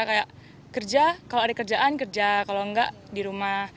kayak kerja kalau ada kerjaan kerja kalau enggak di rumah